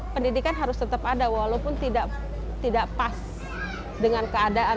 pendidikan harus tetap ada walaupun tidak pas dengan keadaan